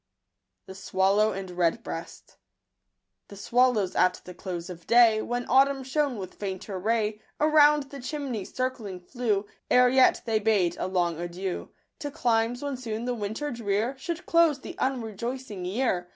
'sLfyt j^fcjalloh) an!) Mefofcxeajst. The swallows at the close of day, When autumn shone with fainter ray, Around the chimney circling flew, Ere yet they bade a long adieu To climes where soon the winter drear Should close the unrejoicing year.